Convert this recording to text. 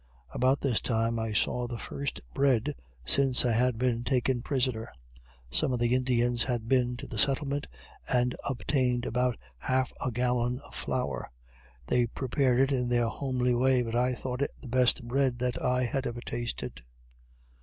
About this time I saw the first bread since I had been taken prisoner. Some of the Indians had been to the settlement and obtained about half a gallon of flour; they prepared it in their homely way, but I thought it the best bread that I had ever tasted.